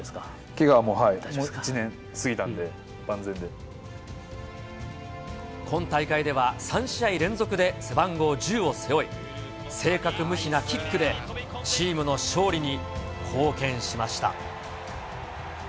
けがはもう、１年過ぎたんで、今大会では、３試合連続で背番号１０を背負い、正確無比なキックでチームの勝利に貢献しました。